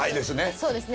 そうですね。